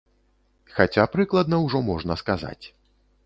Хаця прыкладна ўжо можна сказаць.